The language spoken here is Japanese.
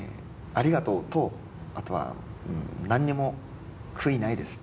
「ありがとう」とあとは「何にも悔いないです」。